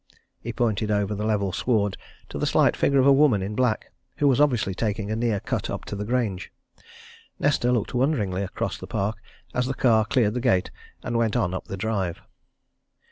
He pointed over the level sward to the slight figure of a woman in black, who was obviously taking a near cut up to the Grange. Nesta looked wonderingly across the park as the car cleared the gate and went on up the drive.